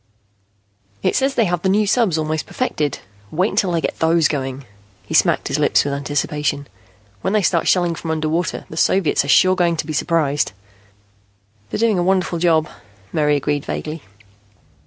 "It says they have the new subs almost perfected. Wait until they get those going." He smacked his lips with anticipation. "When they start shelling from underwater, the Soviets are sure going to be surprised." "They're doing a wonderful job," Mary agreed vaguely.